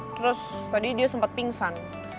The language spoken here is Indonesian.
terus tadi dia sempat pingsan